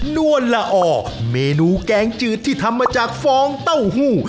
นวลละอเมนูแกงจืดที่ทำมาจากฟองเต้าหู้